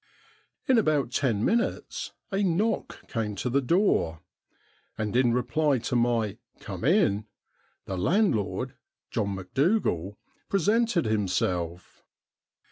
In about ten minutes a knock came to the door, and in reply to my ' Come in,' the landlord, John Macdougal, pre sented himself.